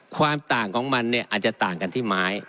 ความต่างของมันเนี่ยอาจจะต่างกันที่ไม้